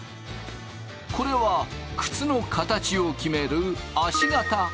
これは靴の形を決める足型。